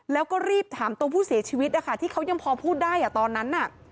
แล้วก็รีบถามตัวผู้เสียชีวิตนะคะที่เขายังพอพูดได้ตอนนั้น